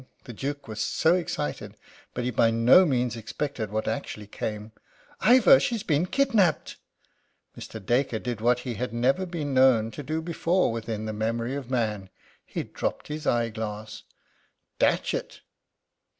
The Duke was so excited. But he by no means expected what actually came: "Ivor, she's been kidnapped!" Mr. Dacre did what he had never been known to do before within the memory of man he dropped his eye glass. "Datchet!"